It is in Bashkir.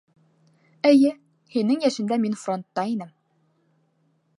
Эйе, һинең йәшеңдә мин фронтта инем...